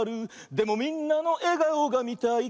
「でもみんなのえがおがみたいから」